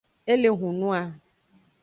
E le hunua.